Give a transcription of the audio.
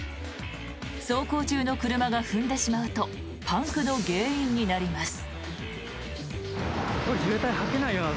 走行中の車が踏んでしまうとパンクの原因になります。